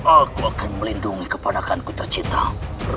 aku akan melindungi kepanakan ku tercinta denganmu